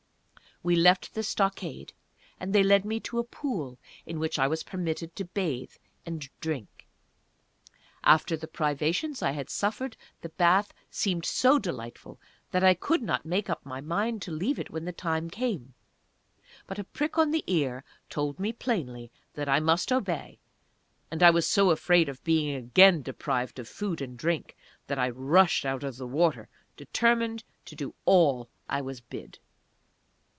We left the stockade, and they led me to a pool in which I was permitted to bathe and drink. After the privations I had suffered the bath seemed so delightful that I could not make up my mind to leave it when the time came; but a prick on the ear told me plainly that I must obey, and I was so afraid of being again deprived of food and drink that I rushed out of the water, determined to do all I was bid.